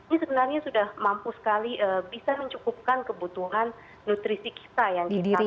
ini sebenarnya sudah mampu sekali bisa mencukupkan kebutuhan nutrisi kita yang kita miliki